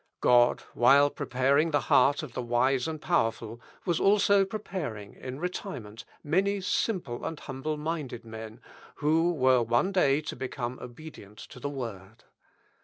God, while preparing the heart of the wise and powerful, was also preparing, in retirement, many simple and humble minded men, who were one day to become obedient to the Word.